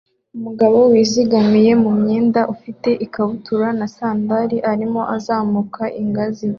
Umugabo wizingiye mu mwenda ufite ikabutura na sandali arimo azamuka ingazi